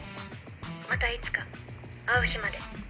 またいつか会う日まで。